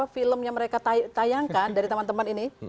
film yang mereka tayangkan dari teman teman ini